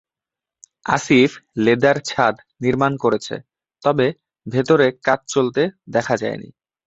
Asif leather ছাদ নির্মাণ করেছে, তবে ভেতরে কাজ চলতে দেখা যায়নি।